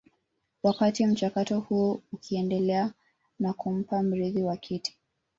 Wakati mchakato huo ukiendelea wa kumpata mrithi wa kiti